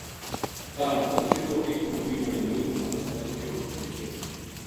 کاہڈ پل شروع ہو گئی مولوی بنیامین نماز واسطے اُٹھیو دیکھیو